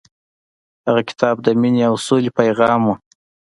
هغه کتاب د مینې او سولې پیغام و.